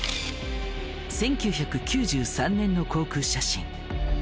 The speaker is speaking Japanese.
１９９３年の航空写真。